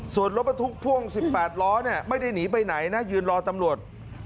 ส่วนรถบรรทุกพ่วง๑๘ล้อไม่ได้หนีไปไหนนะยืนรอตำรวจ